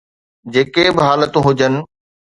جيڪي به حالتون هجن.